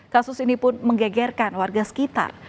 kasus ini pun menggegerkan warga sekitar